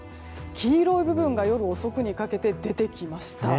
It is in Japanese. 黄色い部分が夜遅くにかけて出てきました。